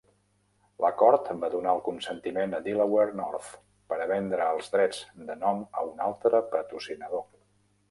L'acord va donar el consentiment a Delaware North per a vendre els drets de nom a un altre patrocinador.